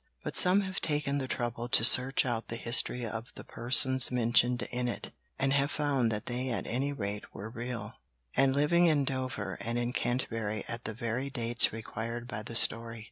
But some have taken the trouble to search out the history of the persons mentioned in it, and have found that they at any rate were real, and living in Dover and in Canterbury at the very dates required by the story.